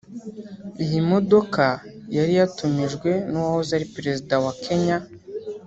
Iyi modoka yari yatumijwe n’uwahoze ari Perezida wa Kenya